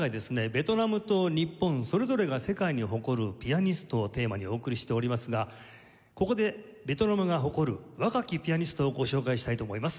ベトナムと日本それぞれが世界に誇るピアニストをテーマにお送りしておりますがここでベトナムが誇る若きピアニストをご紹介したいと思います。